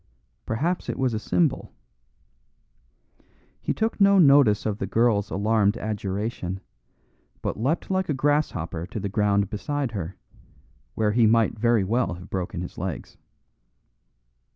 Perhaps it was a symbol. He took no notice of the girl's alarmed adjuration, but leapt like a grasshopper to the ground beside her, where he might very well have broken his legs.